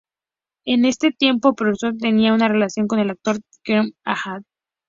En ese tiempo Prevost tenía una relación con el actor Kenneth Harlan.